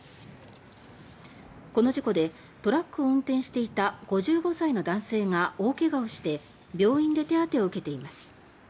この事故でトラックを運転していた５５歳の男性が大怪我をして病院で手当てを受けています。